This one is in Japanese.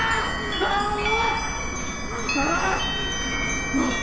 ああ！